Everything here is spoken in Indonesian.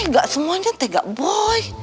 tegak semuanya tegak boy